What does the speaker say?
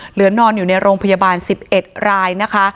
นอนอยู่ในโรงพยาบาล๑๑รายนะคะ